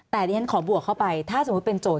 แต่ดิฉันขอบวกเข้าไปถ้าสมมุติเป็นโจท